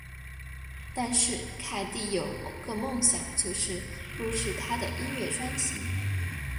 但是凯蒂有个梦想就是录制她的音乐专辑。